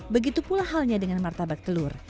begitu pula halnya dengan martabak telur